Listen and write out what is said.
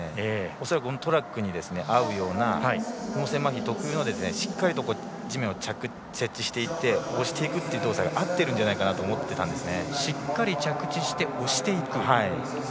恐らくトラックに合うような脳性まひ特有のしっかりと地面を接地していって押していくという動作が合っているんじゃないかなと思っていたんですね。